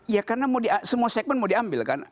ya karena semua segmen mau diambil kan